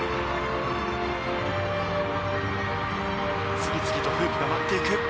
次々とフープが舞っていく。